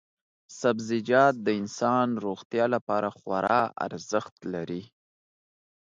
سبزیجات د انسان روغتیا لپاره خورا ارزښت لري.